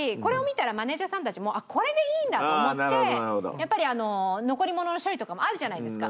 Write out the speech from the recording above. やっぱり残りものの処理とかもあるじゃないですか。